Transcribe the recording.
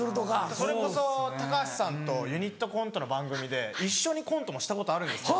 それこそ橋さんとユニットコントの番組で一緒にコントもしたことあるんです。